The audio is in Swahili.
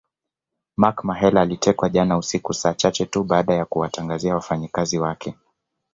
Mark Mahela alitekwa jana usiku saa chache tu baada ya kuwatangazia wafanyakazi wake